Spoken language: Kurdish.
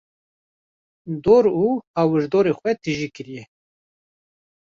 dor û hawirdorê xwe tijî kiriye.